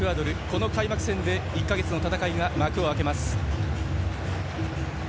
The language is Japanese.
この開幕戦で１か月の戦いが幕を開けます。